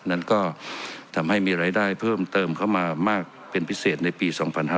นั้นก็ทำให้มีรายได้เพิ่มเติมเข้ามามากเป็นพิเศษในปี๒๕๕๙